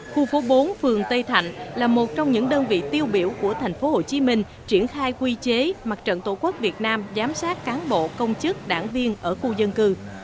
khu phố bốn phường tây thạnh là một trong những đơn vị tiêu biểu của tp hcm triển khai quy chế mặt trận tổ quốc việt nam giám sát cán bộ công chức đảng viên ở khu dân cư